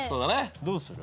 どうする？